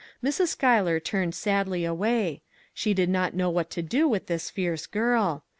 Mrs. Schuyler turned sadly away; she did not know what to do with this fierce girl.